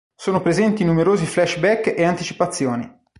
Sono presenti numerosi flashback e anticipazioni.